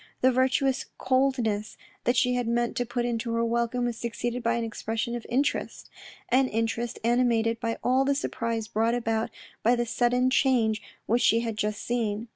The virtuous coldness that she had meant to put into her welcome was succeeded by an expression of interest — an interest animated by all the surprise brought about by the sudden change which she had just seen.